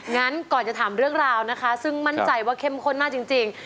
งั้นก่อนจะถามเรื่องราวนะคะซึ่งมั่นใจว่าเข้มข้นมากจริง